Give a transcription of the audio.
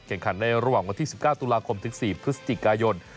ขันในระหว่างวันที่๑๙ตุลาคมถึง๔พฤศจิกายน